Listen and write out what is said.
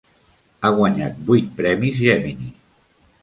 Ha guanyat vuit premis Gemini.